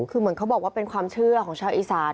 คือเหมือนเขาบอกว่าเป็นความเชื่อของชาวอีสาน